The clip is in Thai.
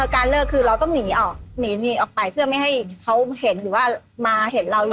การเลิกคือเราต้องหนีออกหนีหนีออกไปเพื่อไม่ให้เขาเห็นหรือว่ามาเห็นเราเลย